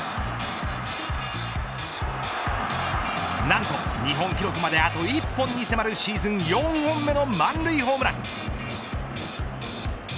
なんと日本記録まであと１本に迫るシーズン４本目の満塁ホームラン。